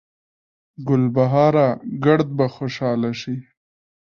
ګلبهاره ګړد به خوشحاله شي